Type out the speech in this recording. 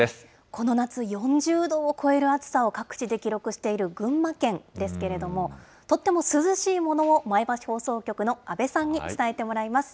この夏、４０度を超える暑さを各地で記録している群馬県ですけれども、とっても涼しいものを前橋放送局の阿部さんに伝えてもらいます。